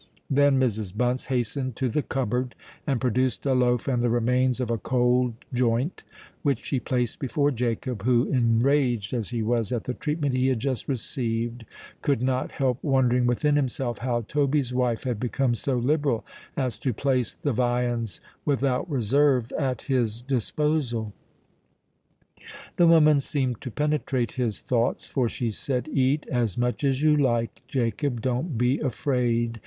Then Mrs. Bunce hastened to the cupboard and produced a loaf and the remains of a cold joint, which she placed before Jacob, who, enraged as he was at the treatment he had just received, could not help wondering within himself how Toby's wife had become so liberal as to place the viands without reserve at his disposal. The woman seemed to penetrate his thoughts; for she said, "Eat as much as you like, Jacob: don't be afraid.